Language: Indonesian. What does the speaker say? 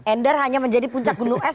ender hanya menjadi puncak gunung es